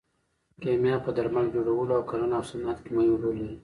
کیمیا په درمل جوړولو او کرنه او صنعت کې مهم رول لري.